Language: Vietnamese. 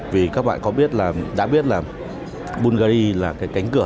vì các bạn có biết là đã biết là bulgari là cái cánh cửa